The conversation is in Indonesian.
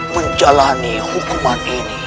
menjalani hukuman ini